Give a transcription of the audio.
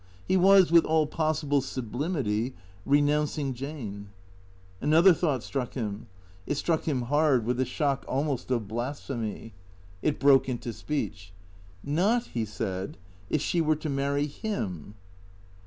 He was, with all possible sublimity, renouncing Jane. Another thought struck him. It struck him hard, with the shock almost of blasphemy. It broke into speech. " Not,'^ he said, " if she were to marry Ilim?